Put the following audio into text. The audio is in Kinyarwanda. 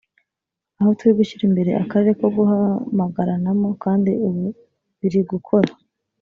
aho turi gushyira imbere akarere ko guhamagaranamo kandi ubu biri gukora